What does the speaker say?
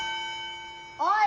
おい！